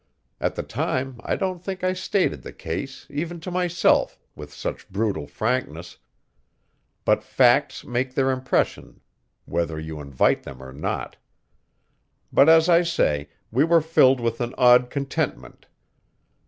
At the time I don't think I stated the case, even to myself, with such brutal frankness, but facts make their impression whether you invite them or not. But, as I say, we were filled with an odd contentment.